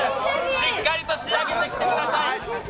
しっかり仕上げてきてください。